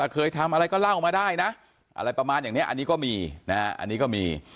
เคยทำอะไรก็เล่ามาได้นะอะไรประมาณอย่างนี้อันนี้ก็มีนะฮะอันนี้ก็มี